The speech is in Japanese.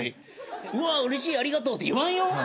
「うわうれしいありがとう」って言わんよ。